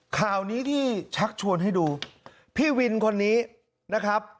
ข่าวนี้ที่ชักชวนให้ดูพี่วินคนนี้นะครับ